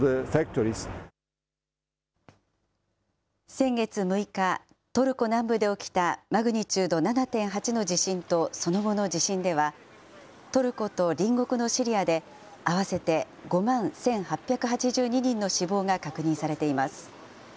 先月６日、トルコ南部で起きた、マグニチュード７．８の地震とその後の地震では、トルコと隣国のシリアで合わせて５万１８８２人の死亡が確認されています。